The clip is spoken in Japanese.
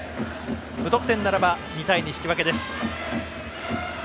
無得点ならば２対２引き分けです。